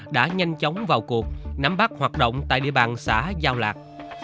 đã nhanh chóng vào cuộc nắm bắt hoạt động tại địa bàn xã giao lạc